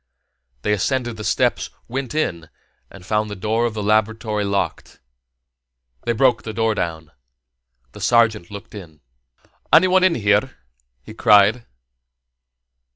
They ascended the steps, went in, and found the door of the laboratory locked. They broke the door down. The sergeant looked in. "Anyone in here?" he cried.